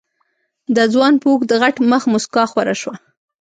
د ځوان په اوږد غټ مخ موسکا خوره شوه.